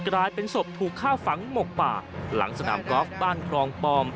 กลายเป็นศพถูกฆ่าฝังหมกป่าหลังสนามกอล์ฟบ้านครองปอม